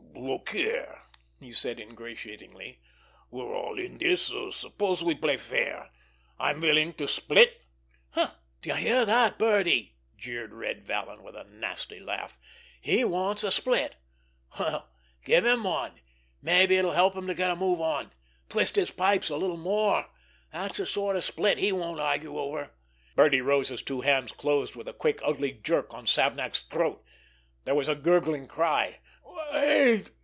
"Look here," he said ingratiatingly, "we're all in this. Suppose we play fair. I'm willing to split." "D'ye hear that, Birdie?" jeered Red Vallon, with a nasty laugh. "He wants a split! Well, give him one—mabbe it'll help him to get a move on! Twist his pipes a little more—that's the sort of split he won't argue over!" Birdie Rose's two hands closed with a quick, ugly jerk on Savnak's throat. There was a gurgling cry. "Wait!"